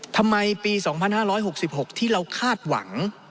ทำไมปี๒๕๖๖ที่เราคาดหวัง